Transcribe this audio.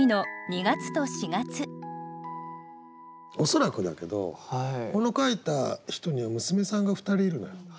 恐らくだけどこの書いた人には娘さんが２人いるのよ。